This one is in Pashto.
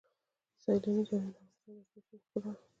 سیلانی ځایونه د افغانستان د شنو سیمو ښکلا ده.